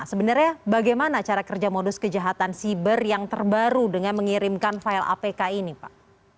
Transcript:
sebenarnya bagaimana cara kerja modus kejahatan siber yang terbaru dengan mengirimkan file apk ini pak